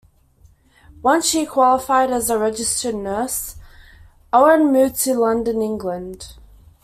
Once she qualified as a registered nurse, Owen moved to London, England.